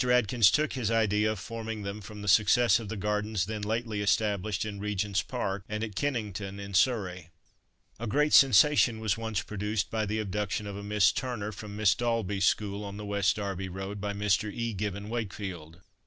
Atkins took his idea of forming them from the success of the Gardens then lately established in Regent's Park, and at Kennington, in Surrey. A great sensation was once produced by the abduction of a Miss Turner from Miss Daulby's School, on the West Derby road, by Mr. E. Gibbon Wakefield.